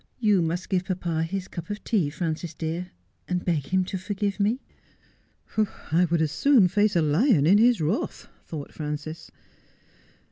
Yon must give papa his cup of tea, Frances dear, and beg him to forgive me.' 'I would as soon face a lion in his wrath,' thought Frances.